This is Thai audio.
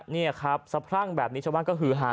นี่ครับสะพรั่งแบบนี้ชาวบ้านก็คือหา